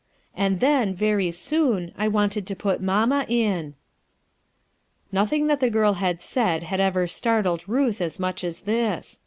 And then, very soon, I wanted to put mamma in," Nothing that the girl had said bad ever startled Ruth as much as this.